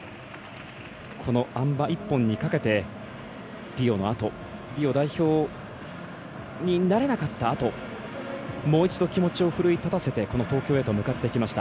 このあん馬１本にかけてリオのあとリオ代表になれなかったあともう一度、気持ちを奮い立たせて東京に向かってきました。